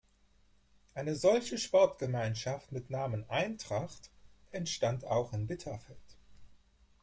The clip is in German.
Eine solche Sportgemeinschaft mit Namen „Eintracht“ entstand auch in Bitterfeld.